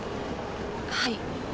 はい。